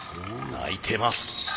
鳴いてます。